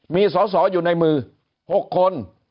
มีสอสออยู่ในมือ๖คน